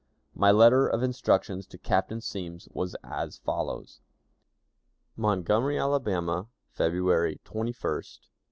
My letter of instructions to Captain Semmes was as follows: "Montgomery, Alabama, February 21, 1861.